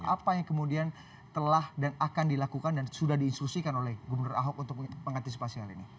apa yang kemudian telah dan akan dilakukan dan sudah diinstruksikan oleh gubernur ahok untuk mengantisipasi hal ini